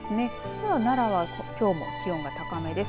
奈良はきょうも気温が高めです。